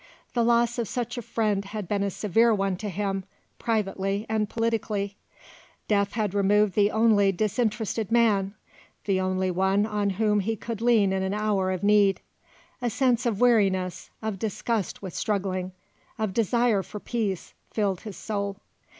The loss of such a friend had been a severe one to him, privately and politically. Death had removed the only disinterested man, the only one on whom he could lean in the hour of need. A sense of weariness, of disgust with struggling, of desire for peace filled his soul.